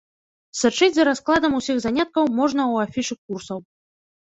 Сачыць за раскладам усіх заняткаў можна ў афішы курсаў.